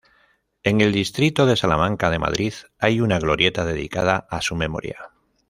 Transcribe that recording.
En el distrito de Salamanca de Madrid, hay una glorieta dedicada a su memoria.